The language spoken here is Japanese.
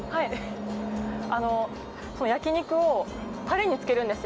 焼き肉をタレにつけるんですよ。